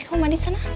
kamu mau mandi di sana